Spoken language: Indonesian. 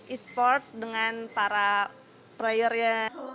esport dengan para player nya